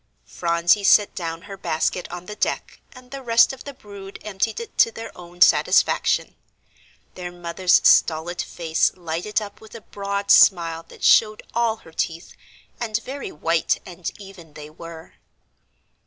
Phronsie set down her basket on the deck, and the rest of the brood emptied it to their own satisfaction. Their mother's stolid face lighted up with a broad smile that showed all her teeth, and very white and even they were.